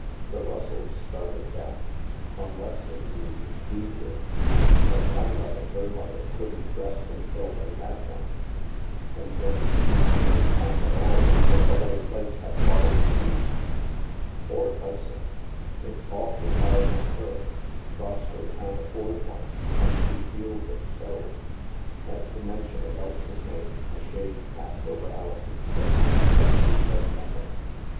The Russells started that. Unless, indeed, we did. But Leila and her mother couldn't rest until they had one ; and then it seemed no time at all until the whole place had followed suit. Poor Elsa ! It's 222 THE MASK awfully hard on her. Roscoe can't aflFord one, and she feels it so." At the mention of Elsa's name, a shade passed over Alison's face, but she said nothing.